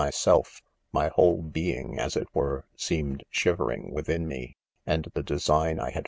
selfj my whole being, as it were, seemed shiv eiing. within ;Me, ;, and the design I. had.